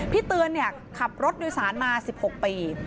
พี่เตือนเนี่ยขับรถโดยสารมา๑๖ปี